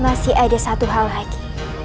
masih ada satu hal lagi